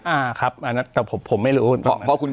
อ่าครับแต่ผมไม่รู้